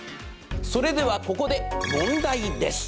それではここで問題です。